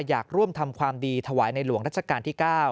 อยากร่วมทำความดีถวายในหลวงรัชกาลที่๙